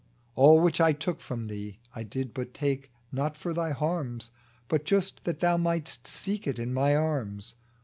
All which I took from thee I did but take, Not for thy harms, But just that thou might'st seek it in My arms.